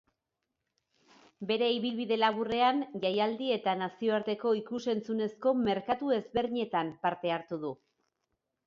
Bere ibilbide laburrean jaialdi eta nazioarteko ikus-entzunezko merkatu ezberdinetan parte hartu du.